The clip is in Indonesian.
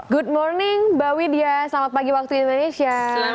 good morning mbak widya selamat pagi waktu indonesia